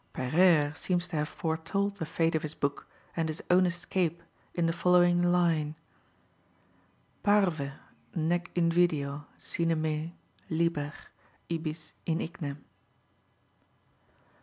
Peyrère seems to have foretold the fate of his book and his own escape in the following line: Parve, nec invideo, sine me, liber, ibis in ignem.